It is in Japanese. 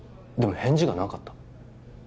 返事がなかった